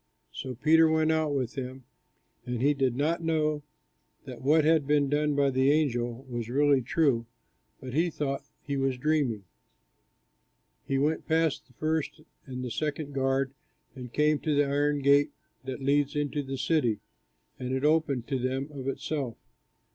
So Peter went out with him; and he did not know that what had been done by the angel was really true, but he thought he was dreaming. They went past the first and the second guards, and came to the iron gate that leads into the city; and it opened to them of itself.